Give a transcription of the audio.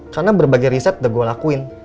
karena berbagai riset udah gue lakuin